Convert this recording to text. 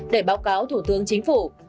để báo cáo thủ tướng chính phủ